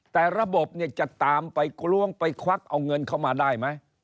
แต่ระบบเนี่ยจะตามไปล้วงไปควักเอาเงินเข้ามาได้ไหม